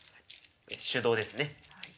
手動ですね。